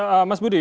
oke mas budi